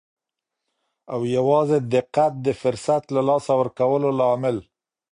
او یوازې دقت د فرصت له لاسه ورکولو لامل.